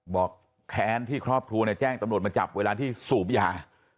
แค้นที่ครอบครัวแจ้งตำรวจมาจับเวลาที่สูบยา